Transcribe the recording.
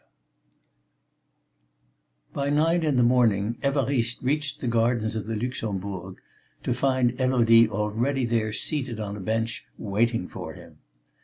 V By nine in the morning Évariste reached the gardens of the Luxembourg, to find Élodie already there seated on a bench waiting for him.